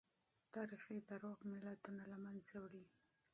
تاريخي دروغ ملتونه له منځه وړي.